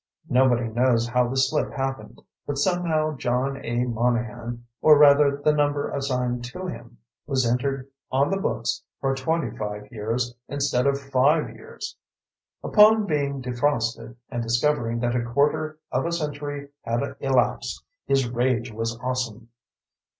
Nobody knows how the slip happened, but somehow John A. Monahan, or rather the number assigned to him, was entered on the books for 25 years instead of five years. Upon being defrosted, and discovering that a quarter of a century had elapsed, his rage was awesome.